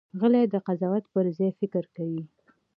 غلی، د قضاوت پر ځای فکر کوي.